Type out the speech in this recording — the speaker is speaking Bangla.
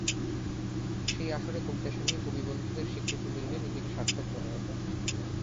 সেই আসরে কবিতা শুনিয়ে কবি বন্ধুদের স্বীকৃতি মিললে নিজেকে সার্থক মনে হতো।